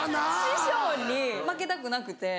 師匠に負けたくなくて。